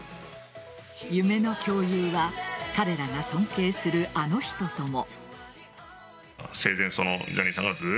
夢の共有は彼らが尊敬するあの人とも。